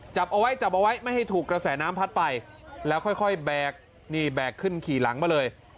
จับเอาไว้จับเอาไว้ไม่ให้ถูกกระแสน้ำพัดไปแล้วค่อยแบกนี่แบกขึ้นขี่หลังมาเลย